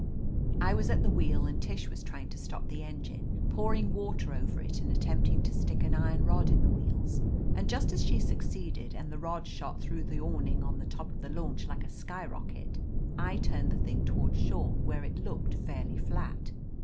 I was at the wheel and Tish was trying to stop the engine, pouring water over it and attempting to stick an iron rod in the wheels. And just as she succeeded, and the rod shot through the awning on the top of the launch like a sky rocket, I turned the thing toward shore where it looked fairly flat.